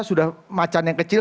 sudah macan yang kecil